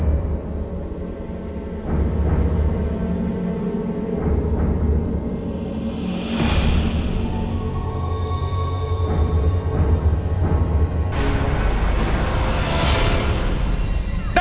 รูปสุดงามสมสังคมเครื่องใครแต่หน้าเสียดายใจทดสกัน